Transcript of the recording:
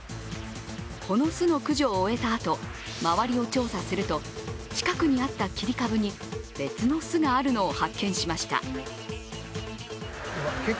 この巣の駆除を終えたあと、周りを調査すると近くにあった切り株に別の巣があるのを発見しました。